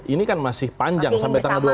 ini kan masih panjang sampai